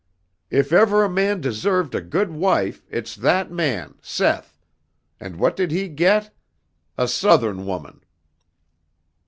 If ever a man deserved a good wife it's that man, Seth, and what did he get? A Southern woman!"